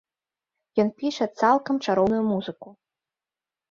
Ён піша цалкам чароўную музыку.